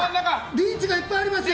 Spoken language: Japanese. リーチがいっぱいありますよ！